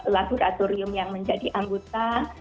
laboratorium yang menjadi anggota